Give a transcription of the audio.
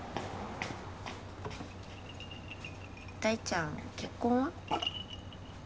大ちゃん結婚は？